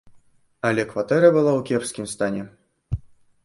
Але кватэра была ў кепскім стане.